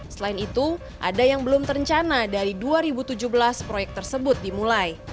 selain itu ada yang belum terencana dari dua ribu tujuh belas proyek tersebut dimulai